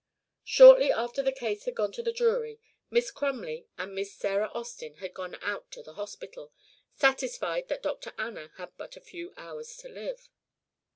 Shortly after the case had gone to the jury, Miss Crumley and Miss Sarah Austin had gone out to the hospital, satisfied that Dr. Anna had but a few hours to live.